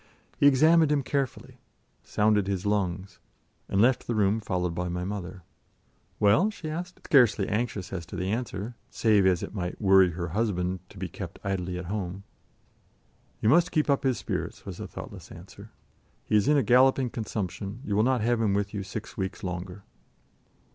He examined him carefully, sounded his lungs, and left the room followed by my mother. "Well?" she asked, scarcely anxious as to the answer, save as it might worry her husband to be kept idly at home. "You must keep up his spirits," was the thoughtless answer. "He is in a galloping consumption; you will not have him with you six weeks longer."